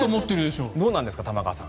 どうなんですか？